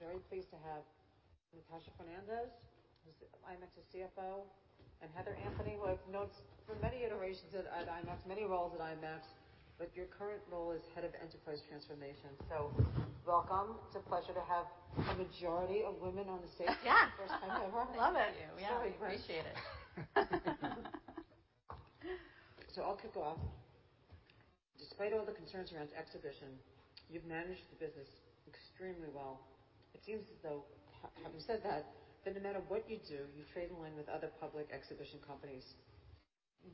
IMAX. We're very pleased to have Natasha Fernandes, who's IMAX's CFO, and Heather Anthony. Well, I've known for many iterations at IMAX, many roles at IMAX, but your current role is Head of Enterprise Transformation. So welcome. It's a pleasure to have a majority of women on the stage. Yeah. For the first time ever. Love it. Love you. Yeah. We appreciate it. So I'll kick off. Despite all the concerns around exhibition, you've managed the business extremely well. It seems as though, having said that, that no matter what you do, you trade in line with other public exhibition companies.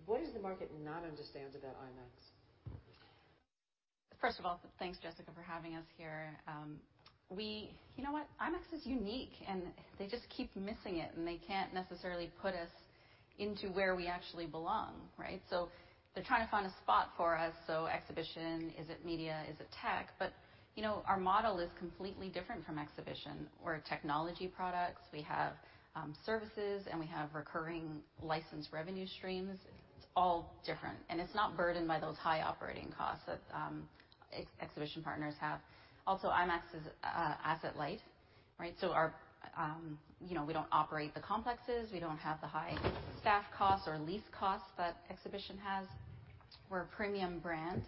What is the market not understands about IMAX? First of all, thanks, Jessica, for having us here. You know what? IMAX is unique, and they just keep missing it, and they can't necessarily put us into where we actually belong, right? So they're trying to find a spot for us. So exhibition, is it media, is it tech? But our model is completely different from exhibition. We're technology products. We have services, and we have recurring license revenue streams. It's all different. And it's not burdened by those high operating costs that exhibition partners have. Also, IMAX is asset light, right? So we don't operate the complexes. We don't have the high staff costs or lease costs that exhibition has. We're a premium brand.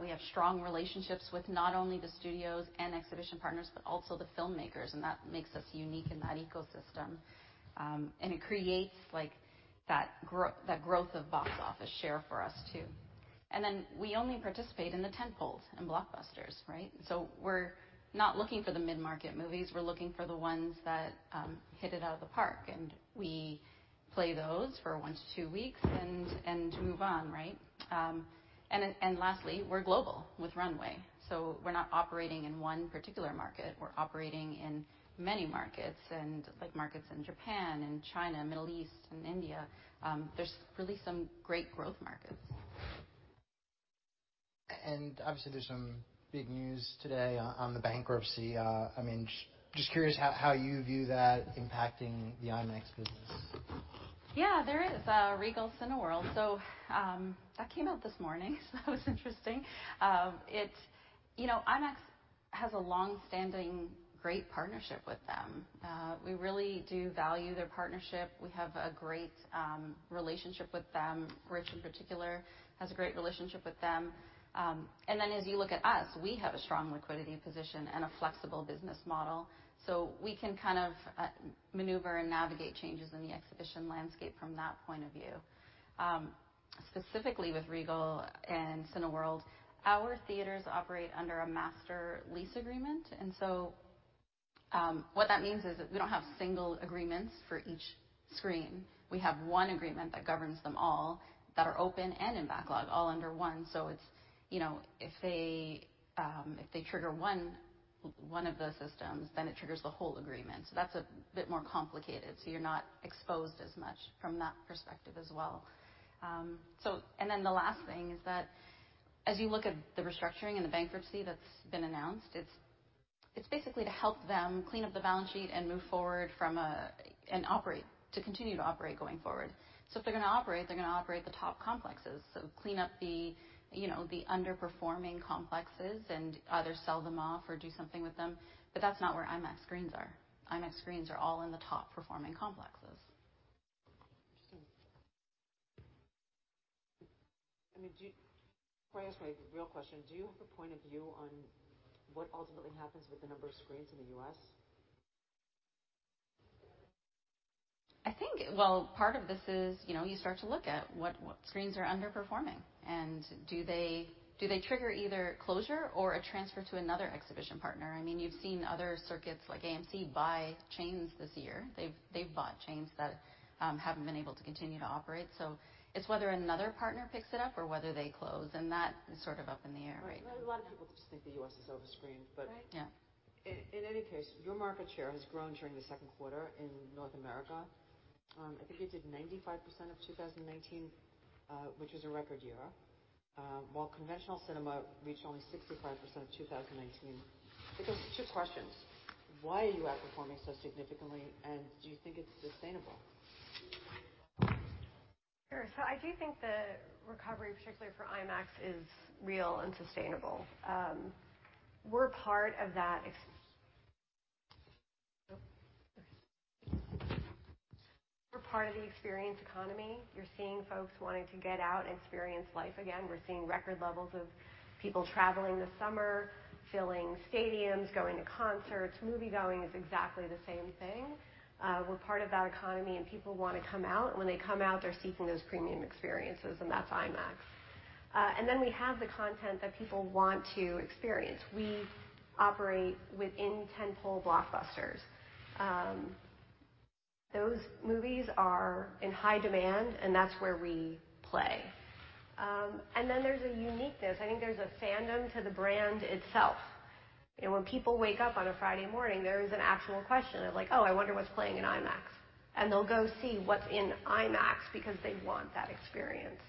We have strong relationships with not only the studios and exhibition partners, but also the filmmakers. And that makes us unique in that ecosystem. And it creates that growth of box office share for us too. And then we only participate in the tentpole and blockbusters, right? So we're not looking for the mid-market movies. We're looking for the ones that hit it out of the park. And we play those for one to two weeks and move on, right? And lastly, we're global with runway. So we're not operating in one particular market. We're operating in many markets, and markets in Japan, in China, Middle East, and India. There's really some great growth markets. Obviously, there's some big news today on the bankruptcy. I mean, just curious how you view that impacting the IMAX business. Yeah, there is a Regal Cineworld, so that came out this morning, so that was interesting. IMAX has a long-standing great partnership with them. We really do value their partnership. We have a great relationship with them. Rich, in particular, has a great relationship with them, and then as you look at us, we have a strong liquidity position and a flexible business model, so we can kind of maneuver and navigate changes in the exhibition landscape from that point of view. Specifically with Regal and Cineworld, our theaters operate under a master lease agreement, and so what that means is that we don't have single agreements for each screen. We have one agreement that governs them all that are open and in backlog, all under one, so if they trigger one of the systems, then it triggers the whole agreement, so that's a bit more complicated. So you're not exposed as much from that perspective as well. And then the last thing is that as you look at the restructuring and the bankruptcy that's been announced, it's basically to help them clean up the balance sheet and move forward and continue to operate going forward. So if they're going to operate, they're going to operate the top complexes. So clean up the underperforming complexes and either sell them off or do something with them. But that's not where IMAX screens are. IMAX screens are all in the top-performing complexes. Interesting. I mean, can I ask you a real question? Do you have a point of view on what ultimately happens with the number of screens in the U.S.? I think, well, part of this is you start to look at what screens are underperforming and do they trigger either closure or a transfer to another exhibition partner? I mean, you've seen other circuits like AMC buy chains this year. They've bought chains that haven't been able to continue to operate, so it's whether another partner picks it up or whether they close, and that is sort of up in the air right now. A lot of people just think the U.S. is overscreened, but in any case, your market share has grown during the second quarter in North America. I think you did 95% of 2019, which was a record year, while conventional cinema reached only 65% of 2019. I've got two questions. Why are you outperforming so significantly, and do you think it's sustainable? Sure, so I do think the recovery, particularly for IMAX, is real and sustainable. We're part of that. We're part of the experience economy. You're seeing folks wanting to get out and experience life again. We're seeing record levels of people traveling this summer, filling stadiums, going to concerts. Movie going is exactly the same thing. We're part of that economy, and people want to come out, and when they come out, they're seeking those premium experiences, and that's IMAX, and then we have the content that people want to experience. We operate within tentpole blockbusters. Those movies are in high demand, and that's where we play, and then there's a uniqueness. I think there's a fandom to the brand itself. And when people wake up on a Friday morning, there is an actual question of like, "Oh, I wonder what's playing in IMAX." And they'll go see what's in IMAX because they want that experience.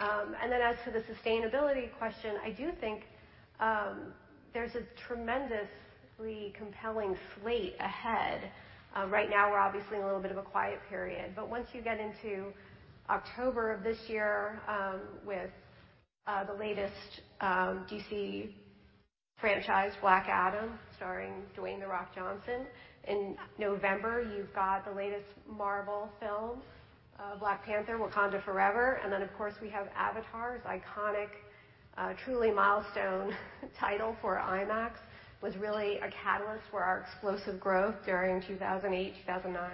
And then as to the sustainability question, I do think there's a tremendously compelling slate ahead. Right now, we're obviously in a little bit of a quiet period. But once you get into October of this year with the latest DC franchise, Black Adam, starring Dwayne "The Rock" Johnson. In November, you've got the latest Marvel film, Black Panther, Wakanda Forever. And then, of course, we have Avatar, this iconic, truly milestone title for IMAX, was really a catalyst for our explosive growth during 2008, 2009.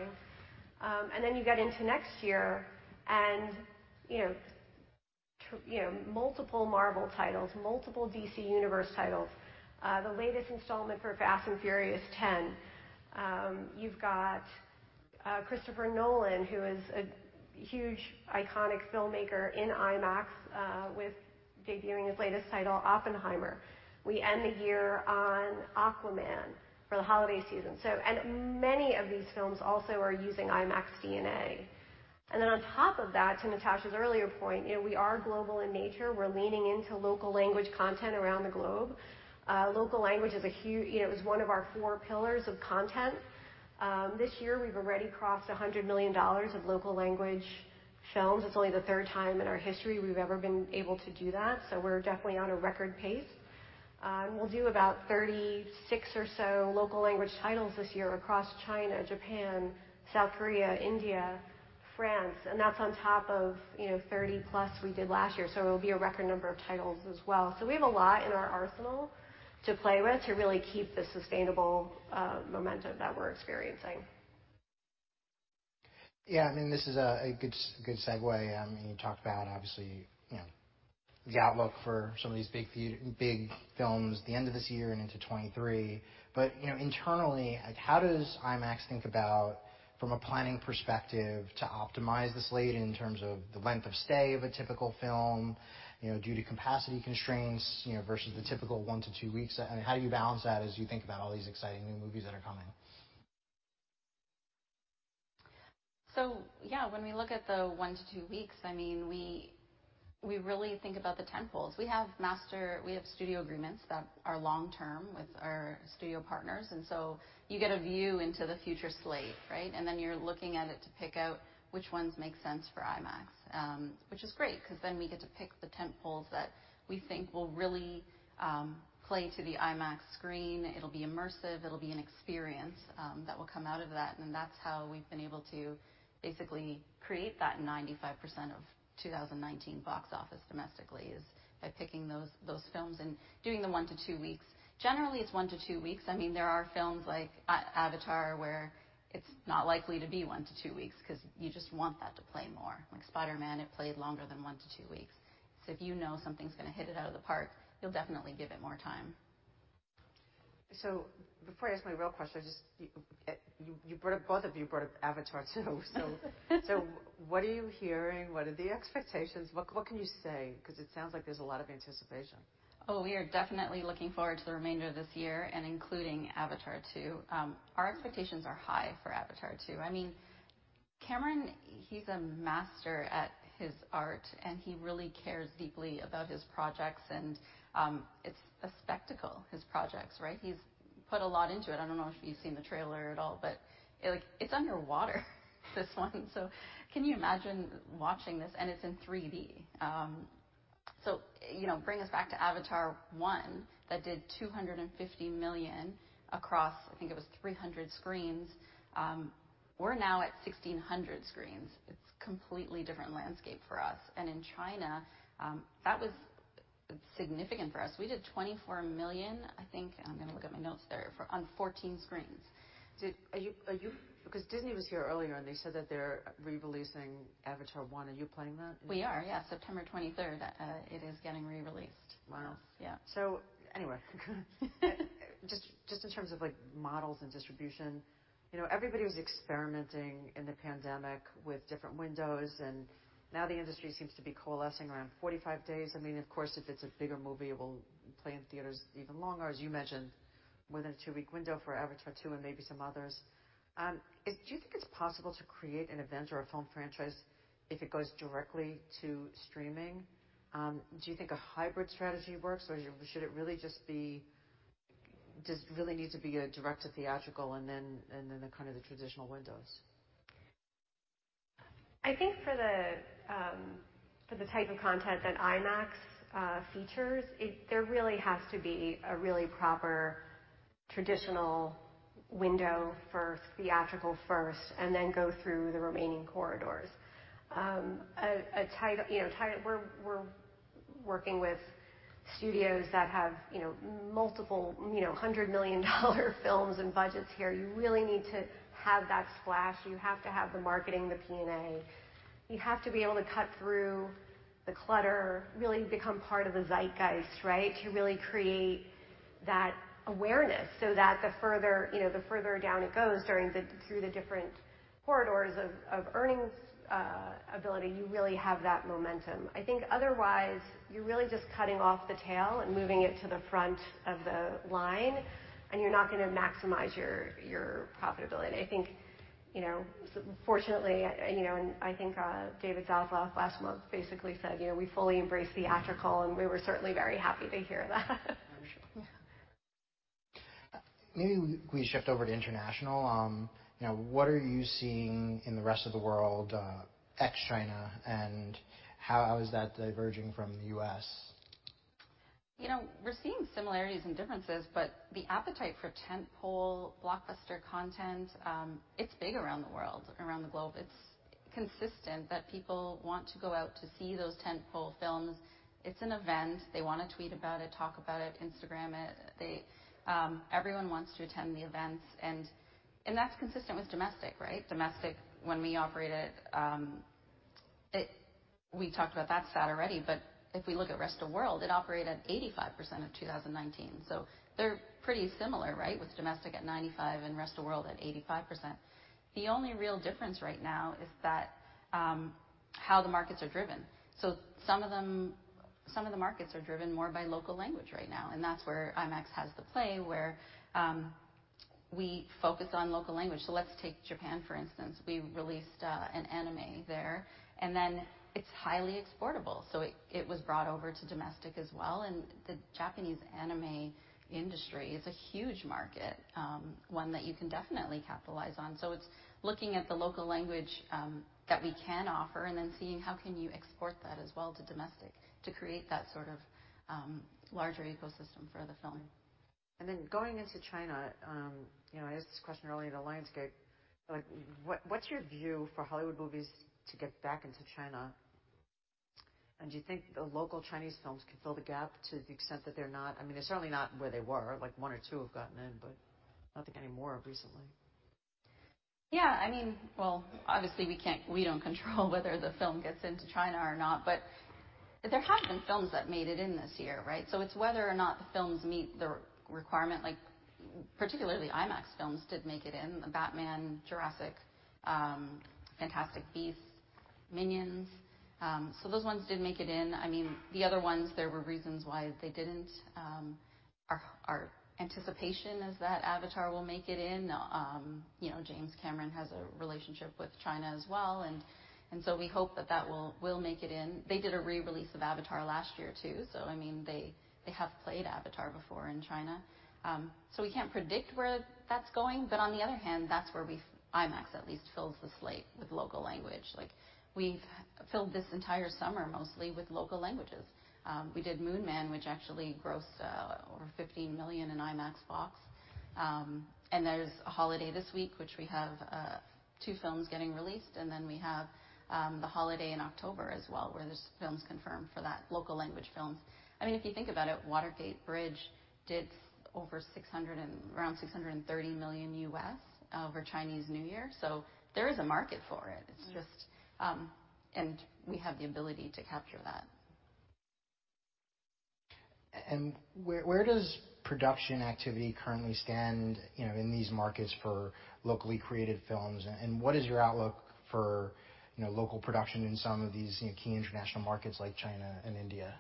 And then you get into next year and multiple Marvel titles, multiple DC Universe titles. The latest installment for Fast and Furious 10. You've got Christopher Nolan, who is a huge, iconic filmmaker in IMAX, debuting his latest title, Oppenheimer. We end the year on Aquaman for the holiday season. And many of these films also are using IMAX DNA. And then on top of that, to Natasha's earlier point, we are global in nature. We're leaning into local language content around the globe. Local language is a huge; it was one of our four pillars of content. This year, we've already crossed $100 million of local language films. It's only the third time in our history we've ever been able to do that. So we're definitely on a record pace. And we'll do about 36 or so local language titles this year across China, Japan, South Korea, India, France. And that's on top of 30 plus we did last year. So it will be a record number of titles as well. So we have a lot in our arsenal to play with to really keep the sustainable momentum that we're experiencing. Yeah. I mean, this is a good segue. I mean, you talked about, obviously, the outlook for some of these big films the end of this year and into 2023. But internally, how does IMAX think about, from a planning perspective, to optimize the slate in terms of the length of stay of a typical film due to capacity constraints versus the typical one to two weeks? How do you balance that as you think about all these exciting new movies that are coming? Yeah, when we look at the one to two weeks, I mean, we really think about the tentpoles. We have studio agreements that are long-term with our studio partners. And so you get a view into the future slate, right? And then you're looking at it to pick out which ones make sense for IMAX, which is great because then we get to pick the tentpoles that we think will really play to the IMAX screen. It'll be immersive. It'll be an experience that will come out of that. And that's how we've been able to basically create that 95% of 2019 box office domestically is by picking those films and doing the one to two weeks. Generally, it's one to two weeks. I mean, there are films like Avatar where it's not likely to be one to two weeks because you just want that to play more. Like Spider-Man, it played longer than one to two weeks. So if you know something's going to hit it out of the park, you'll definitely give it more time. So before I ask my real question, I just, both of you brought up Avatar 2. So what are you hearing? What are the expectations? What can you say? Because it sounds like there's a lot of anticipation. Oh, we are definitely looking forward to the remainder of this year and including Avatar 2. Our expectations are high for Avatar 2. I mean, Cameron, he's a master at his art, and he really cares deeply about his projects, and it's a spectacle, his projects, right? He's put a lot into it. I don't know if you've seen the trailer at all, but it's underwater this one. So can you imagine watching this? And it's in 3D. So bring us back to Avatar 1 that did $250 million across, I think it was 300 screens. We're now at 1,600 screens. It's a completely different landscape for us, and in China, that was significant for us. We did $24 million, I think. I'm going to look at my notes there on 14 screens. Because Disney was here earlier, and they said that they're re-releasing Avatar 1. Are you playing that? We are, yeah. September 23rd, it is getting re-released. Wow, so anyway, just in terms of models and distribution, everybody was experimenting in the pandemic with different windows, and now the industry seems to be coalescing around 45 days. I mean, of course, if it's a bigger movie, it will play in theaters even longer, as you mentioned, within a two-week window for Avatar 2 and maybe some others. Do you think it's possible to create an event or a film franchise if it goes directly to streaming? Do you think a hybrid strategy works, or should it really just be, does it really need to be a direct-to-theatrical and then the kind of the traditional windows? I think for the type of content that IMAX features, there really has to be a really proper traditional window first, theatrical first, and then go through the remaining corridors. We're working with studios that have multiple hundred-million-dollar films and budgets here. You really need to have that splash. You have to have the marketing, the P&A. You have to be able to cut through the clutter, really become part of the zeitgeist, right, to really create that awareness so that the further down it goes through the different corridors of earnings ability, you really have that momentum. I think otherwise, you're really just cutting off the tail and moving it to the front of the line, and you're not going to maximize your profitability. I think, fortunately, and I think David Zaslav last month basically said, "We fully embrace theatrical," and we were certainly very happy to hear that. I'm sure. Maybe we shift over to international. What are you seeing in the rest of the world ex-China, and how is that diverging from the US? We're seeing similarities and differences, but the appetite for tentpole blockbuster content, it's big around the world, around the globe. It's consistent that people want to go out to see those tentpole films. It's an event. They want to tweet about it, talk about it, Instagram it. Everyone wants to attend the events. And that's consistent with domestic, right? Domestic, when we operated, we talked about that stat already. But if we look at Rest of World, it operated at 85% of 2019. So they're pretty similar, right, with domestic at 95% and Rest of World at 85%. The only real difference right now is how the markets are driven. So some of the markets are driven more by local language right now. And that's where IMAX has the play, where we focus on local language. So let's take Japan, for instance. We released an anime there, and then it's highly exportable, so it was brought over to domestic as well, and the Japanese anime industry is a huge market, one that you can definitely capitalize on, so it's looking at the local language that we can offer and then seeing how can you export that as well to domestic to create that sort of larger ecosystem for the film. Going into China, I asked this question earlier to Lionsgate. What's your view for Hollywood movies to get back into China? And do you think the local Chinese films can fill the gap to the extent that they're not? I mean, they're certainly not where they were. One or two have gotten in, but I don't think any more recently. Yeah. I mean, well, obviously, we don't control whether the film gets into China or not, but there have been films that made it in this year, right? So it's whether or not the films meet the requirement. Particularly, IMAX films did make it in: The Batman, Jurassic, Fantastic Beasts, Minions. So those ones did make it in. I mean, the other ones, there were reasons why they didn't. Our anticipation is that Avatar will make it in. James Cameron has a relationship with China as well, and so we hope that that will make it in. They did a re-release of Avatar last year too, so I mean, they have played Avatar before in China. So we can't predict where that's going, but on the other hand, that's where IMAX, at least, fills the slate with local language. We've filled this entire summer mostly with local languages. We did Moon Man, which actually grossed over $15 million in IMAX box office. And there's a holiday this week, which we have two films getting released. And then we have the holiday in October as well, where there's films confirmed for that, local language films. I mean, if you think about it, Water Gate Bridge did over around $630 million over Chinese New Year. So there is a market for it. And we have the ability to capture that. Where does production activity currently stand in these markets for locally created films? What is your outlook for local production in some of these key international markets like China and India?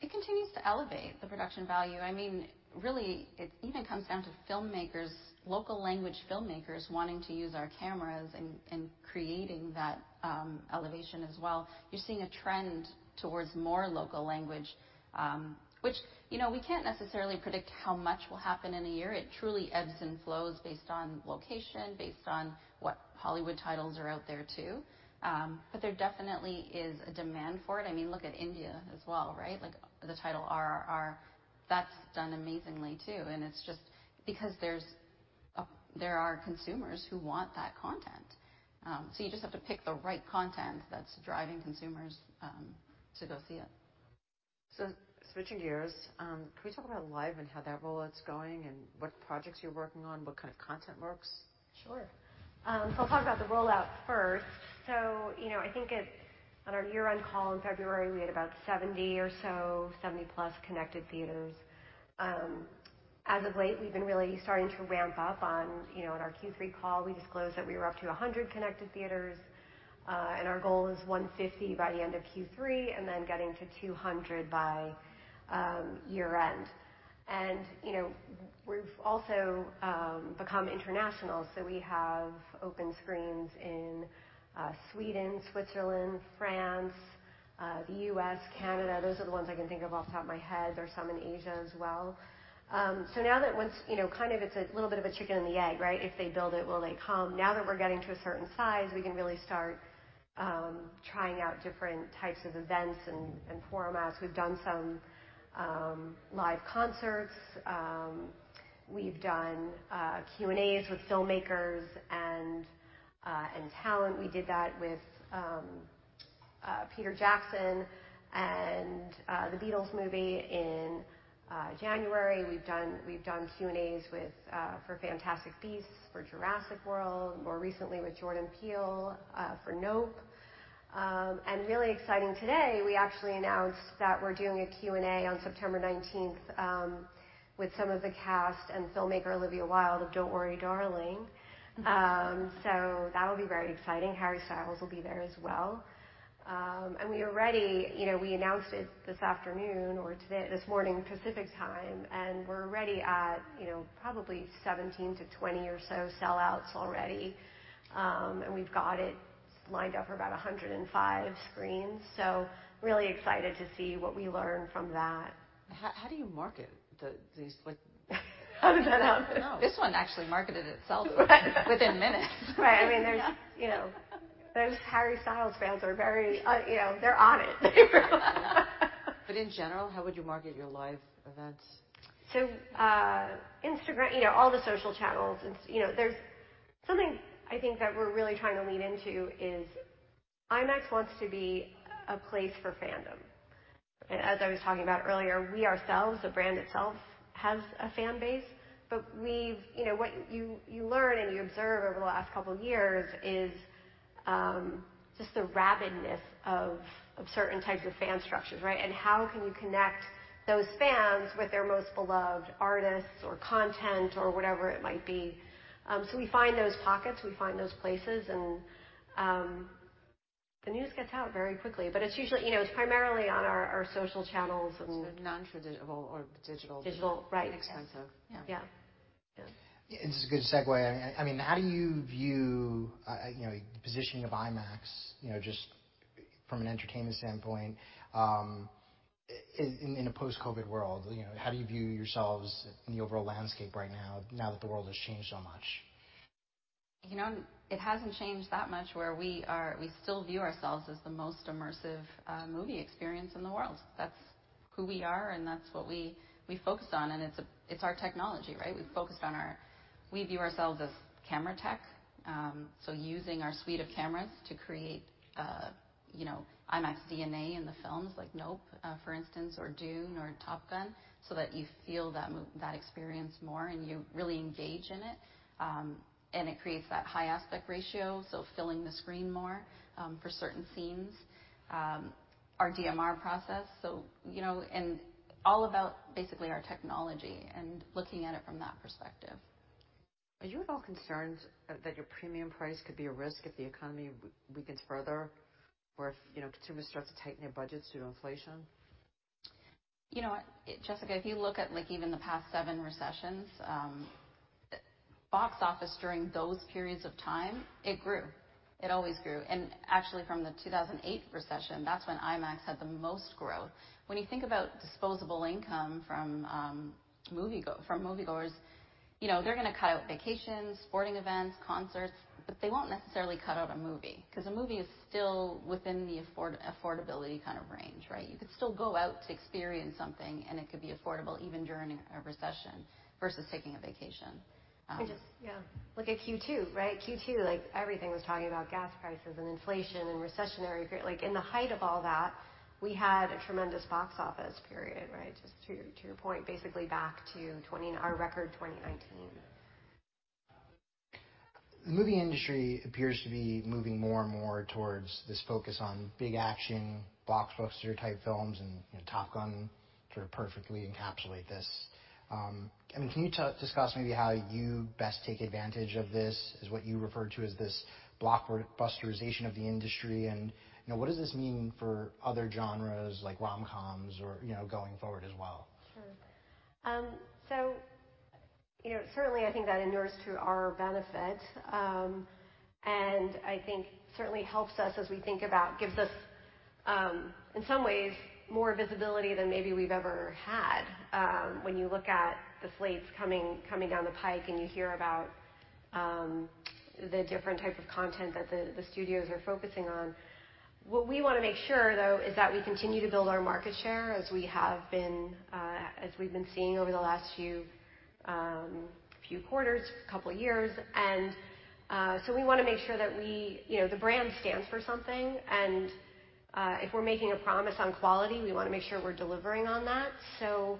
It continues to elevate the production value. I mean, really, it even comes down to filmmakers, local language filmmakers wanting to use our cameras and creating that elevation as well. You're seeing a trend towards more local language, which we can't necessarily predict how much will happen in a year. It truly ebbs and flows based on location, based on what Hollywood titles are out there too. But there definitely is a demand for it. I mean, look at India as well, right? The title RRR, that's done amazingly too. And it's just because there are consumers who want that content. So you just have to pick the right content that's driving consumers to go see it. So switching gears, can we talk about live and how that rollout's going and what projects you're working on, what kind of content works? Sure. So I'll talk about the rollout first. So I think on our year-end call in February, we had about 70 or so, 70-plus connected theaters. As of late, we've been really starting to ramp up. On our Q3 call, we disclosed that we were up to 100 connected theaters. And our goal is 150 by the end of Q3 and then getting to 200 by year-end. And we've also become international. So we have open screens in Sweden, Switzerland, France, the US, Canada. Those are the ones I can think of off the top of my head. There's some in Asia as well. So now that once kind of it's a little bit of a chicken and the egg, right? If they build it, will they come? Now that we're getting to a certain size, we can really start trying out different types of events and formats. We've done some live concerts. We've done Q&As with filmmakers and talent. We did that with Peter Jackson and the Beatles movie in January. We've done Q&As for Fantastic Beasts, for Jurassic World, more recently with Jordan Peele for Nope. And really exciting today, we actually announced that we're doing a Q&A on September 19th with some of the cast and filmmaker Olivia Wilde of Don't Worry Darling. So that will be very exciting. Harry Styles will be there as well. And we are ready. We announced it this afternoon or this morning Pacific Time. And we're ready at probably 17-20 or so sellouts already. And we've got it lined up for about 105 screens. So really excited to see what we learn from that. How do you market these? How does that happen? This one actually marketed itself within minutes. Right. I mean, those Harry Styles fans are very, they're on it. In general, how would you market your live events? So, Instagram, all the social channels. Something I think that we're really trying to lean into is IMAX wants to be a place for fandom. As I was talking about earlier, we ourselves, the brand itself, has a fan base. But what you learn and you observe over the last couple of years is just the rabidness of certain types of fan structures, right? And how can you connect those fans with their most beloved artists or content or whatever it might be? So we find those pockets. We find those places. And the news gets out very quickly. But it's primarily on our social channels and. So, non-traditional or digital. Digital. Right. Expensive. Yeah. Yeah. This is a good segue. I mean, how do you view the positioning of IMAX just from an entertainment standpoint in a post-COVID world? How do you view yourselves in the overall landscape right now, now that the world has changed so much? It hasn't changed that much where we still view ourselves as the most immersive movie experience in the world. That's who we are, and that's what we focus on. It's our technology, right? We focus on how we view ourselves as camera tech. So using our suite of cameras to create IMAX DNA in the films like Nope, for instance, or Dune or Top Gun so that you feel that experience more and you really engage in it. It creates that high aspect ratio, so filling the screen more for certain scenes. Our DMR process. All about basically our technology and looking at it from that perspective. Are you at all concerned that your premium price could be a risk if the economy weakens further or if consumers start to tighten their budgets due to inflation? Jessica, if you look at even the past seven recessions, box office during those periods of time, it grew. It always grew, and actually, from the 2008 recession, that's when IMAX had the most growth. When you think about disposable income from moviegoers, they're going to cut out vacations, sporting events, concerts, but they won't necessarily cut out a movie because a movie is still within the affordability kind of range, right? You could still go out to experience something, and it could be affordable even during a recession versus taking a vacation. Yeah. Like at Q2, right? Q2, everything was talking about gas prices and inflation and recessionary period. In the height of all that, we had a tremendous box office period, right? Just to your point, basically back to our record 2019. The movie industry appears to be moving more and more towards this focus on big action, blockbuster-type films, and Top Gun sort of perfectly encapsulates this. I mean, can you discuss maybe how you best take advantage of this as what you refer to as this blockbusterization of the industry? And what does this mean for other genres like rom-coms or going forward as well? Sure. So certainly, I think that endures to our benefit. And I think certainly helps us as we think about gives us, in some ways, more visibility than maybe we've ever had. When you look at the slates coming down the pike and you hear about the different types of content that the studios are focusing on. What we want to make sure, though, is that we continue to build our market share as we have been as we've been seeing over the last few quarters, a couple of years. And so we want to make sure that the brand stands for something. And if we're making a promise on quality, we want to make sure we're delivering on that. So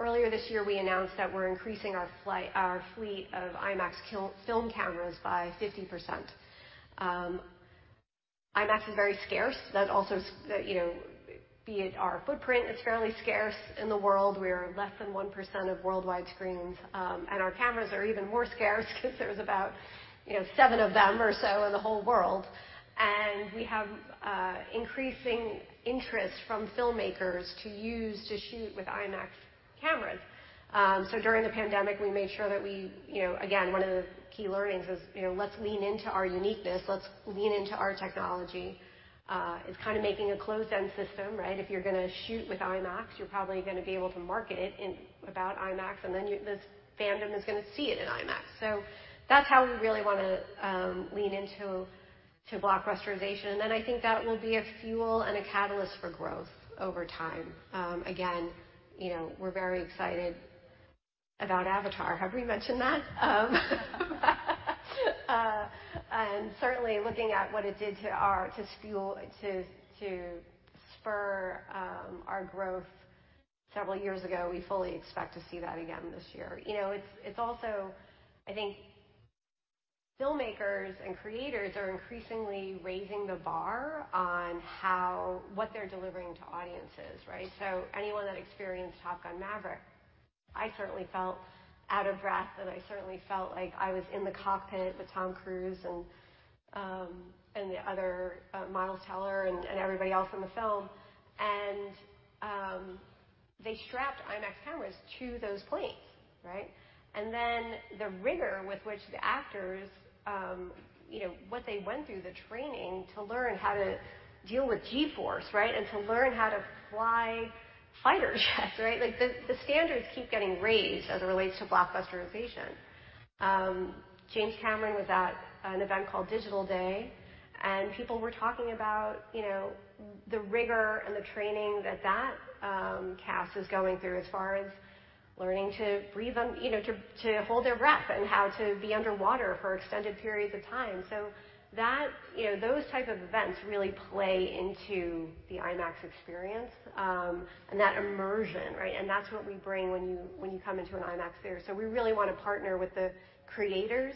earlier this year, we announced that we're increasing our fleet of IMAX film cameras by 50%. IMAX is very scarce. That also builds it. Our footprint is fairly scarce in the world. We are less than 1% of worldwide screens, and our cameras are even more scarce because there's about seven of them or so in the whole world. We have increasing interest from filmmakers to use to shoot with IMAX cameras, so during the pandemic, we made sure that, again, one of the key learnings is let's lean into our uniqueness. Let's lean into our technology. It's kind of making a closed-end system, right? If you're going to shoot with IMAX, you're probably going to be able to market it as IMAX, and then this fandom is going to see it in IMAX, so that's how we really want to lean into blockbusterization, and then I think that will be a fuel and a catalyst for growth over time. Again, we're very excited about Avatar. Have we mentioned that? And certainly, looking at what it did to spur our growth several years ago, we fully expect to see that again this year. It's also, I think, filmmakers and creators are increasingly raising the bar on what they're delivering to audiences, right? So anyone that experienced Top Gun: Maverick, I certainly felt out of breath, and I certainly felt like I was in the cockpit with Tom Cruise and the other Miles Teller and everybody else in the film. And they strapped IMAX cameras to those planes, right? And then the rigor with which the actors, what they went through the training to learn how to deal with G-force, right? And to learn how to fly fighter jets, right? The standards keep getting raised as it relates to blockbusterization. James Cameron was at an event called Digital Day. People were talking about the rigor and the training that that cast is going through as far as learning to breathe, to hold their breath, and how to be underwater for extended periods of time. Those types of events really play into the IMAX experience and that immersion, right? That's what we bring when you come into an IMAX theater. We really want to partner with the creators.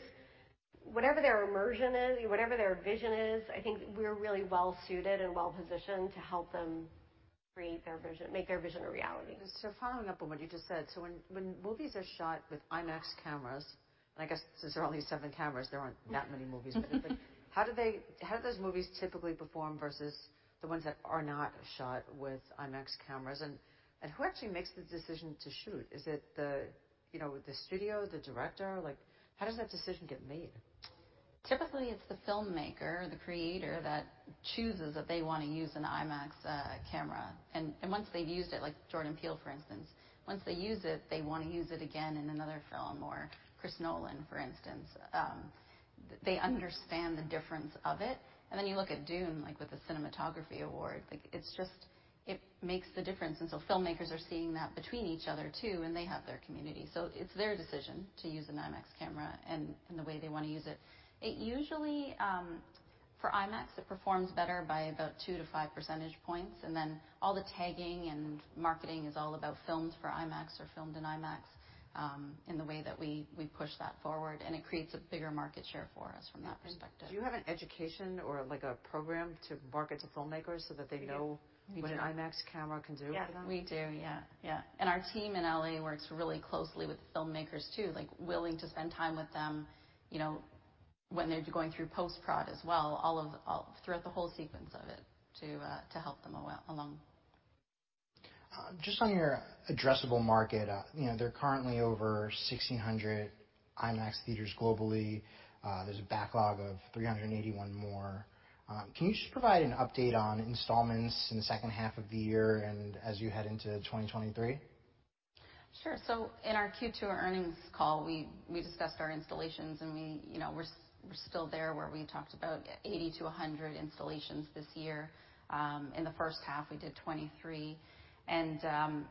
Whatever their immersion is, whatever their vision is, I think we're really well-suited and well-positioned to help them create their vision, make their vision a reality. So following up on what you just said, so when movies are shot with IMAX cameras, and I guess since there are only seven cameras, there aren't that many movies. But how do those movies typically perform versus the ones that are not shot with IMAX cameras? And who actually makes the decision to shoot? Is it the studio, the director? How does that decision get made? Typically, it's the filmmaker or the creator that chooses that they want to use an IMAX camera, and once they've used it, like Jordan Peele, for instance, once they use it, they want to use it again in another film or Chris Nolan, for instance. They understand the difference of it, and then you look at Dune with the Cinematography Award. It makes the difference, and so filmmakers are seeing that between each other too, and they have their community, so it's their decision to use an IMAX camera and the way they want to use it. Usually, for IMAX, it performs better by about 2-5 percentage points, and then all the tagging and marketing is all about films for IMAX or filmed in IMAX in the way that we push that forward, and it creates a bigger market share for us from that perspective. Do you have an education or a program to market to filmmakers so that they know what an IMAX camera can do for them? Yes. We do. Yeah. Yeah. And our team in LA works really closely with the filmmakers too, willing to spend time with them when they're going through post-prod as well, throughout the whole sequence of it to help them along. Just on your addressable market, there are currently over 1,600 IMAX theaters globally. There's a backlog of 381 more. Can you just provide an update on installments in the second half of the year and as you head into 2023? Sure. So in our Q2 earnings call, we discussed our installations, and we're still there where we talked about 80-100 installations this year. In the first half, we did 23. And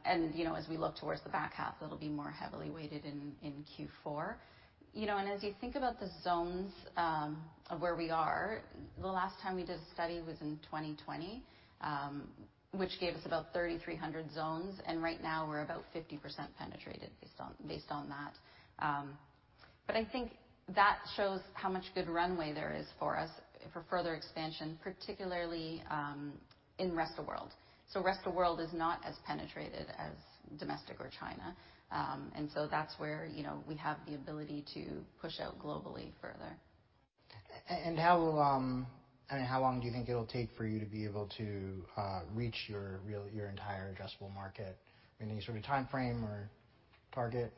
as we look towards the back half, it'll be more heavily weighted in Q4. And as you think about the zones of where we are, the last time we did a study was in 2020, which gave us about 3,300 zones. And right now, we're about 50% penetrated based on that. But I think that shows how much good runway there is for us for further expansion, particularly in rest of world. So rest of world is not as penetrated as domestic or China. And so that's where we have the ability to push out globally further. I mean, how long do you think it'll take for you to be able to reach your entire addressable market? Any sort of timeframe or target?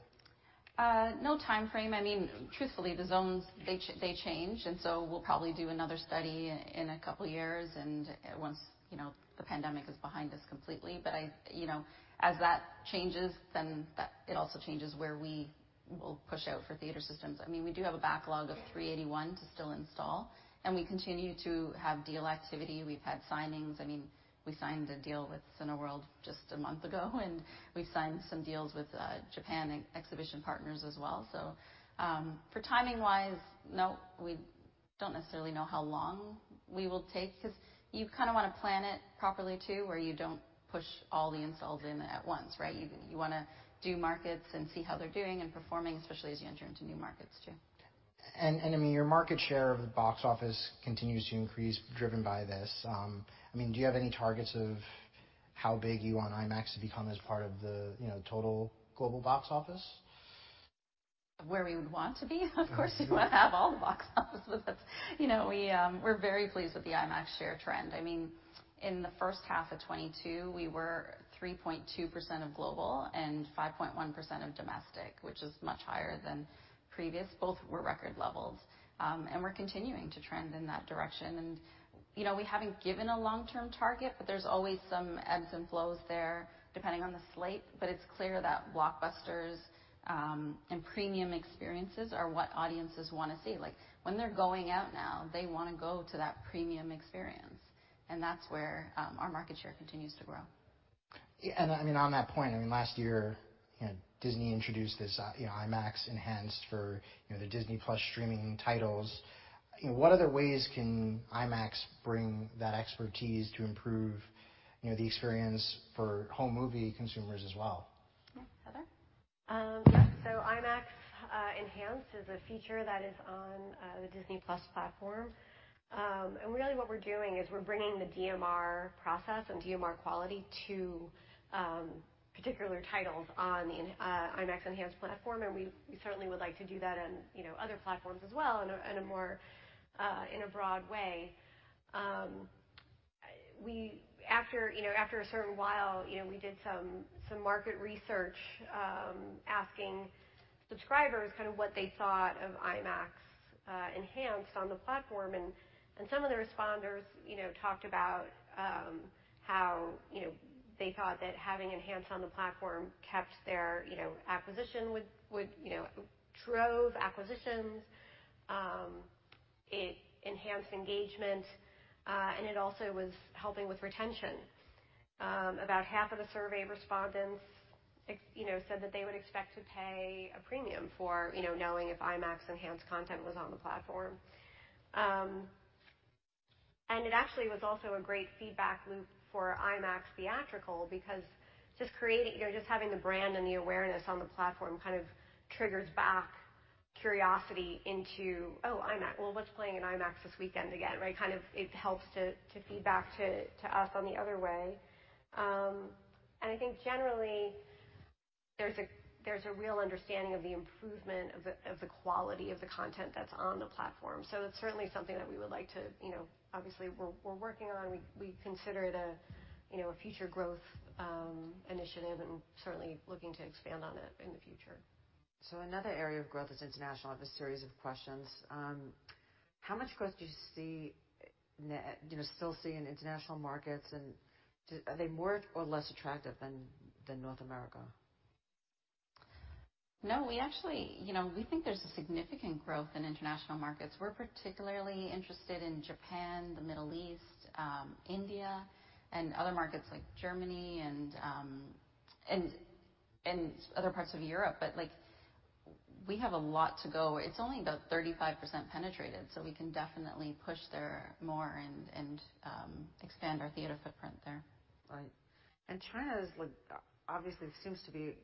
No timeframe. I mean, truthfully, the zones, they change. And so we'll probably do another study in a couple of years once the pandemic is behind us completely. But as that changes, then it also changes where we will push out for theater systems. I mean, we do have a backlog of 381 to still install. And we continue to have deal activity. We've had signings. I mean, we signed a deal with Cineworld just a month ago, and we've signed some deals with Japan exhibition partners as well. So for timing-wise, no, we don't necessarily know how long we will take because you kind of want to plan it properly too where you don't push all the installs in at once, right? You want to do markets and see how they're doing and performing, especially as you enter into new markets too. I mean, your market share of the box office continues to increase driven by this. I mean, do you have any targets of how big you want IMAX to become as part of the total global box office? Where we would want to be, of course, we want to have all the box office. But we're very pleased with the IMAX share trend. I mean, in the first half of 2022, we were 3.2% of global and 5.1% of domestic, which is much higher than previous. Both were record levels, and we're continuing to trend in that direction. We haven't given a long-term target, but there's always some ebbs and flows there depending on the slate. It's clear that blockbusters and premium experiences are what audiences want to see. When they're going out now, they want to go to that premium experience. That's where our market share continues to grow. I mean, on that point, I mean, last year, Disney introduced this IMAX Enhanced for the Disney+ streaming titles. What other ways can IMAX bring that expertise to improve the experience for home movie consumers as well? Heather? Yeah. So IMAX Enhanced is a feature that is on the Disney+ platform. And really, what we're doing is we're bringing the DMR process and DMR quality to particular titles on the IMAX Enhanced platform. And we certainly would like to do that on other platforms as well in a broad way. After a certain while, we did some market research asking subscribers kind of what they thought of IMAX Enhanced on the platform. And some of the respondents talked about how they thought that having Enhanced on the platform kept their acquisition, drove acquisitions, it enhanced engagement, and it also was helping with retention. About half of the survey respondents said that they would expect to pay a premium for knowing if IMAX Enhanced content was on the platform. And it actually was also a great feedback loop for IMAX Theatrical because just having the brand and the awareness on the platform kind of triggers back curiosity into, "Oh, IMAX. Well, what's playing in IMAX this weekend again?" Right? Kind of it helps to feedback to us on the other way. And I think generally, there's a real understanding of the improvement of the quality of the content that's on the platform. So it's certainly something that we would like to obviously, we're working on. We consider it a future growth initiative and certainly looking to expand on it in the future. So another area of growth is international. I have a series of questions. How much growth do you still see in international markets? And are they more or less attractive than North America? No, we think there's a significant growth in international markets. We're particularly interested in Japan, the Middle East, India, and other markets like Germany and other parts of Europe. But we have a lot to go. It's only about 35% penetrated. So we can definitely push there more and expand our theater footprint there. Right. And China is obviously, it seems to be.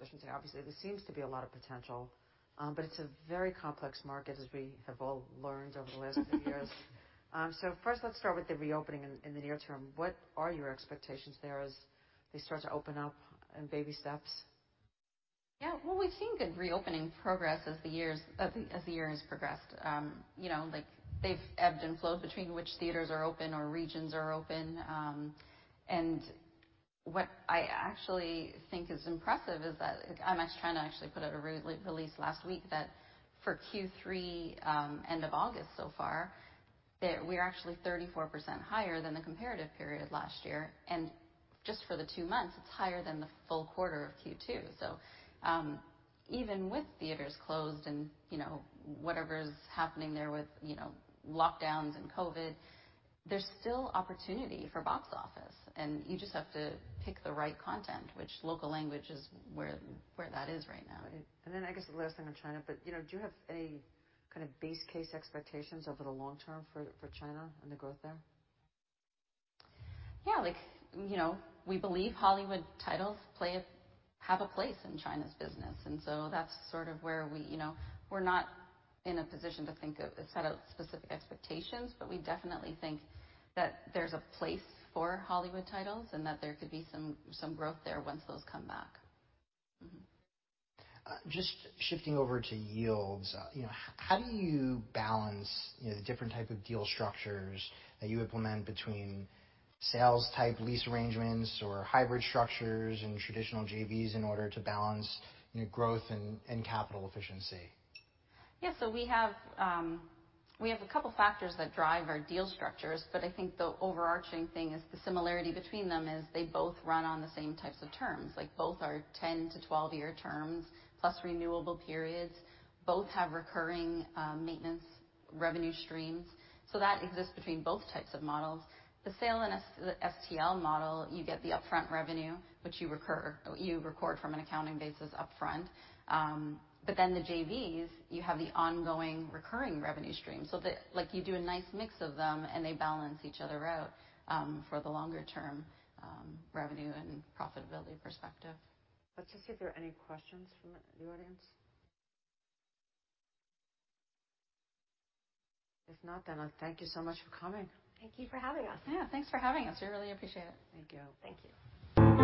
I shouldn't say obviously, there seems to be a lot of potential. But it's a very complex market, as we have all learned over the last few years. So first, let's start with the reopening in the near term. What are your expectations there as they start to open up in baby steps? Yeah. Well, we've seen good reopening progress as the year has progressed. They've ebbed and flowed between which theaters are open or regions are open. And what I actually think is impressive is that IMAX China actually put out a release last week that for Q3, end of August so far, that we're actually 34% higher than the comparative period last year. And just for the two months, it's higher than the full quarter of Q2. So even with theaters closed and whatever's happening there with lockdowns and COVID, there's still opportunity for box office. And you just have to pick the right content, which local language is where that is right now. And then I guess the last thing on China, but do you have any kind of base case expectations over the long term for China and the growth there? Yeah. We believe Hollywood titles have a place in China's business, and so that's sort of where we're not in a position to set out specific expectations, but we definitely think that there's a place for Hollywood titles and that there could be some growth there once those come back. Just shifting over to yields, how do you balance the different type of deal structures that you implement between sales-type lease arrangements or hybrid structures and traditional JVs in order to balance growth and capital efficiency? Yeah. So we have a couple of factors that drive our deal structures. But I think the overarching thing is the similarity between them is they both run on the same types of terms. Both are 10 to 12-year terms plus renewable periods. Both have recurring maintenance revenue streams. So that exists between both types of models. The sale and STL model, you get the upfront revenue, which you record from an accounting basis upfront. But then the JVs, you have the ongoing recurring revenue stream. So you do a nice mix of them, and they balance each other out for the longer-term revenue and profitability perspective. Let's just see if there are any questions from the audience. If not, then thank you so much for coming. Thank you for having us. Yeah. Thanks for having us. We really appreciate it. Thank you. Thank you.